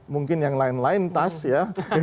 mungkin yang lain lain tas ya